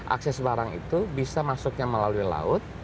akses barang itu bisa masuknya melalui laut